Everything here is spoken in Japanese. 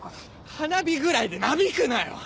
花火ぐらいでなびくなよ！